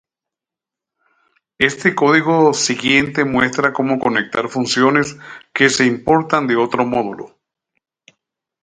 Este código siguiente muestra cómo conectar funciones que se importan de otro módulo.